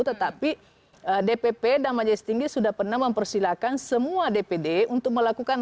tetapi dpp dan majelis tinggi sudah pernah mempersilahkan semua dpd untuk melakukan